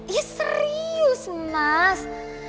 iya serius mas